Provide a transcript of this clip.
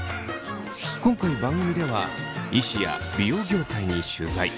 今回番組では医師や美容業界に取材。